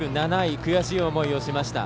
悔しい思いをしました。